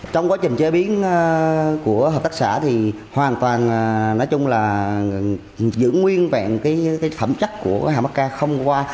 trong quá trình chế biến của hợp tác xã thì hoàn toàn giữ nguyên vẹn phẩm chất của hạt mắc ca